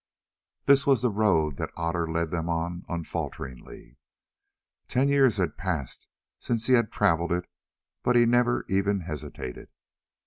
This was the road that Otter led them on unfalteringly; ten years had passed since he had travelled it, but he never even hesitated.